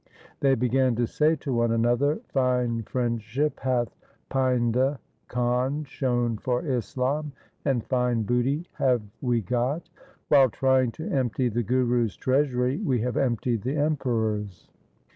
They began to say to one another, ' Fine friendship hath Painda Khan shown for Islam and fine booty have we got ! While trying to empty the Guru's treasury we have emptied the Emperor's.